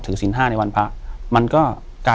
อยู่ที่แม่ศรีวิรัยิลครับ